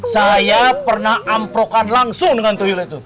saya pernah amprokan langsung dengan toyor itu